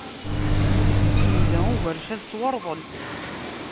Inza ugercal s urḍel.